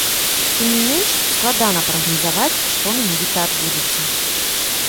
Тым не менш, складана прагназаваць, што менавіта адбудзецца.